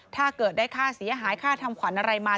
ถ้าเกิดได้ค่าเสียหายค่าทำขวัญอะไรมา